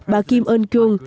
bà kim eun kyung